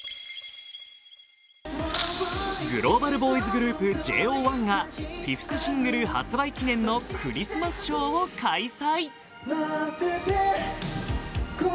グローバルボーイズグループＪＯ１が５ｔｈシングル発売記念のクリスマスショーを開催。